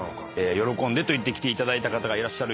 「喜んで」と言って来ていただいた方がいらっしゃるようです。